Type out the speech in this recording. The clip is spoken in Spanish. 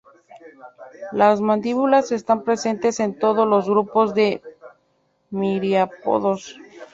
Las mandíbulas están presentes en todos los grupos de miriápodos.